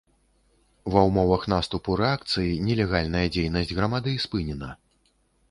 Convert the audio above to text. Ва ўмовах наступу рэакцыі нелегальная дзейнасць грамады спынена.